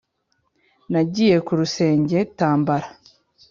Nagiye ku rusenge tambara